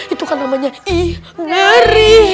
itu kan namanya igeri